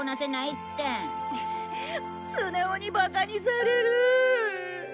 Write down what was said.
スネ夫にバカにされる。